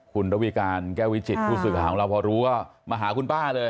คุณระวิการแก้ววิจิตผู้สื่อข่าวของเราพอรู้ก็มาหาคุณป้าเลย